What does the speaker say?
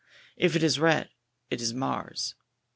If it is red, it is MARS.